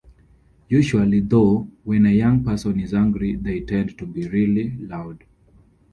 Usually, though, when a young person is angry, they tend to be really loud.